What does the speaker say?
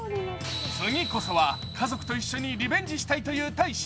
次こそは家族と一緒にリベンジしたいという大使。